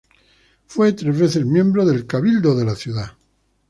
Fue tres veces miembro del cabildo de la ciudad.